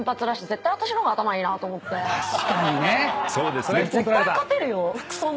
絶対勝てるよ。